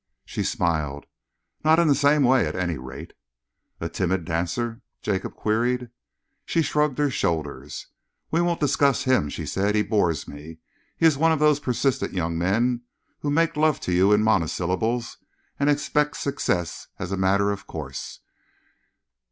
She smiled. "Not in the same way, at any rate." "A timid dancer?" Jacob queried. She shrugged her shoulders. "We won't discuss him," she said. "He bores me. He is one of those persistent young men who make love to you in monosyllables and expect success as a matter of course."